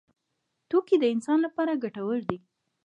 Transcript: توکي د انسان لپاره ګټور دي.